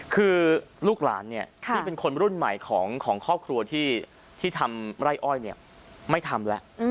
คือลูกหลานที่เป็นคนรุ่นใหม่ของครอบครัวที่ทำไร่อ้อยไม่ทำแล้ว